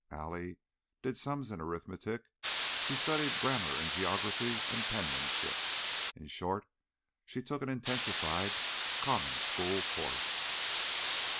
Allie did sums in arithmetic, she studied grammar and geography and penmanship in short, she took an intensified common school course.